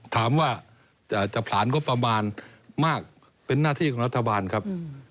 ถามว่าจะผลานงบประมาณมากเป็นหน้าที่ของรัฐบาลครับ